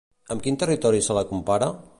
Amb quin territori se la compara?